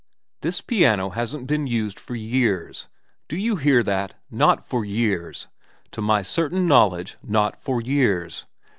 This piano hasn't been used for years. Do you hear that ? Not for years. To my certain know ledge not for years.